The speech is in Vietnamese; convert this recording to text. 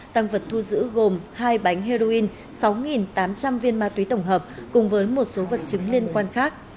tăng vật thu giữ gồm hai bánh heroin sáu tám trăm linh viên ma túy tổng hợp cùng với một số vật chứng liên quan khác